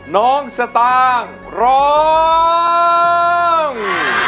น้องสตางค์ร้อง